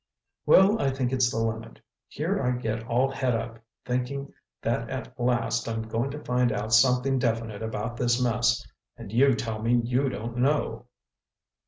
"Well, I think it's the limit. Here I get all het up, thinking that at last I'm going to find out something definite about this mess—and you tell me you don't know."